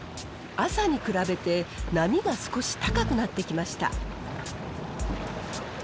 朝に比べて波が少し高くなってきました。